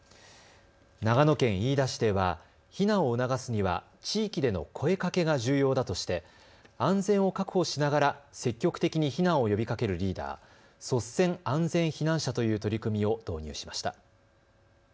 長野県飯田市では避難を促すには地域での声かけが重要だとして安全を確保しながら積極的に避難を呼びかけるリーダー、率先安全避難者という取り組みを導入しました。